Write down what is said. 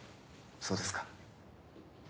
そうですか。